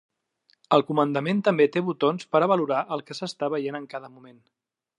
El comandament també té botons per a valorar el que s'està veient en cada moment.